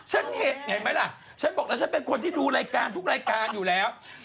ฉันเห็นไหมล่ะฉันบอกแล้วฉันเป็นคนที่ดูรายการทุกรายการอยู่แล้ว